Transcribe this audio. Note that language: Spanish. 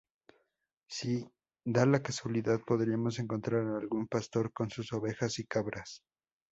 Si da la casualidad podríamos encontrar a algún pastor con sus ovejas y cabras.